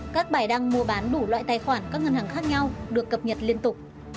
các bài đăng mua bán đủ loại tài khoản các ngân hàng khác nhau được cập nhật liên tục